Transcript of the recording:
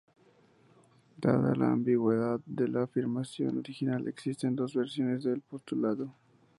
Dada la ambigüedad de la afirmación original, existen dos versiones del postulado.